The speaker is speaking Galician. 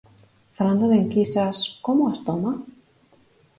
Falando de enquisas, como as toma?